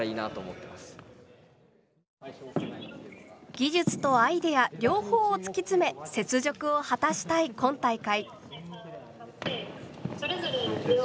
技術とアイデア両方を突き詰め雪辱を果たしたい今大会。